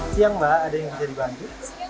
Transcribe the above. siang mbak ada yang bisa dibantu